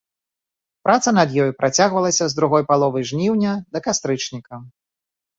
Праца над ёй працягвалася з другой паловы жніўня да кастрычніка.